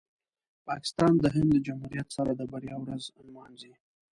پاکستان د هند له جمهوریت سره د بریا ورځ نمانځي.